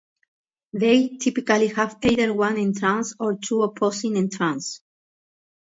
They typically have either one entrance or two opposing entrances.